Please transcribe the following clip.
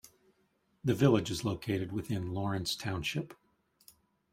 The village is located within Lawrence Township.